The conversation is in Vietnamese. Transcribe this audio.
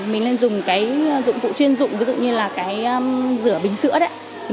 mình nên dùng cái dụng cụ chuyên dụng ví dụ như là cái rửa bình sữa đấy